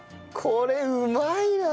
これうまいな！